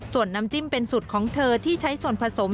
ส่วนน้ำจิ้มเป็นสูตรของเธอที่ใช้ส่วนผสม